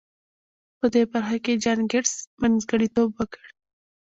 په دې برخه کې جان ګيټس منځګړيتوب وکړ.